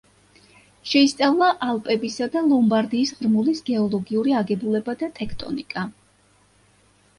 შეისწავლა ალპებისა და ლომბარდიის ღრმულის გეოლოგიური აგებულება და ტექტონიკა.